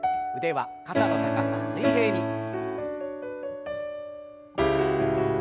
腕は肩の高さ水平に。